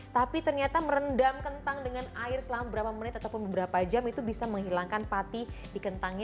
tapi ternyata merendam kentang dengan air selama beberapa menit ataupun beberapa jam itu bisa menghilangkan pati di kentangnya